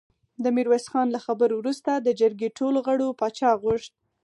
د ميرويس خان له خبرو وروسته د جرګې ټولو غړو پاچا غوښت.